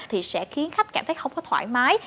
thì sẽ khiến khách cảm thấy không có thoải mái